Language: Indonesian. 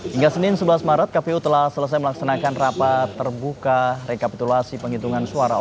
hingga senin sebelas maret kpu telah selesai melaksanakan rapat terbuka rekapitulasi penghitungan suara